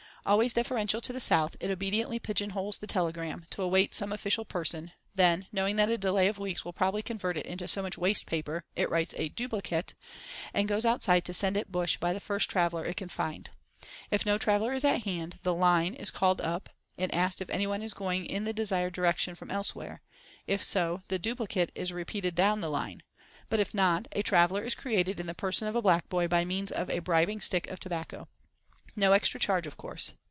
Always deferential to the South, it obediently pigeon holes the telegram, to await some official person, then, knowing that a delay of weeks will probably convert it into so much waste paper, it writes a "duplicate," and goes outside to send it "bush" by the first traveller it can find. If no traveller is at hand, the "Line" is "called up" and asked if any one is going in the desired direction from elsewhere; if so, the "duplicate" is repeated "down the line," but if not, a traveller is created in the person of a black boy by means of a bribing stick of tobacco. No extra charge, of course.